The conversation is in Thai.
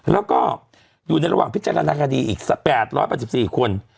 แล้วก็อยู่ในระหว่างพิจารณาคดีอีก๘๘๔คน